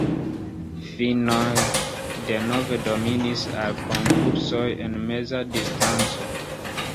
Finnoj denove dominis al konkursoj en meza distanco.